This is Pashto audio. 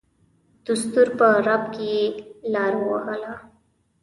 دسترو په رپ کې یې لار ووهله.